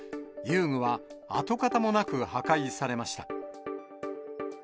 遊具は跡形もなく破壊されました。